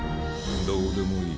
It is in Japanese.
どうでもいい。